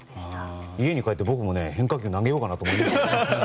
家に帰って僕も変化球投げようかなと思いました。